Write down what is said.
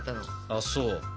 あっそう。